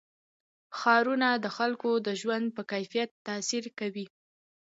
ښارونه د خلکو د ژوند په کیفیت تاثیر کوي.